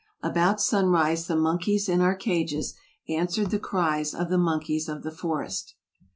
About sun rise the monkeys in our cages answered the cries of the monkeys of the forest.